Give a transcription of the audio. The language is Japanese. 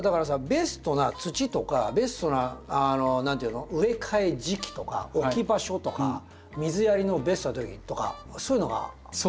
ベストな土とかベストな何ていうの植え替え時期とか置き場所とか水やりのベストなときとかそういうのが植物によって違うってことでしょ？